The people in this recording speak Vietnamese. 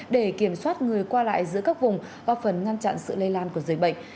để kiểm soát người qua lại giữa các vùng góp phần ngăn chặn sự lây lan của dịch bệnh